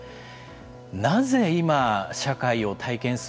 なぜ今、社会を体験する